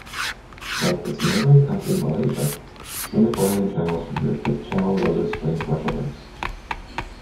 Like its neighbouring country, Malaysia, Singaporean channels remove the channel logos during commercial breaks.